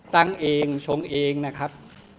ตั้งเองชงเองนะครับ